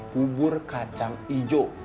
kubur kacang ijo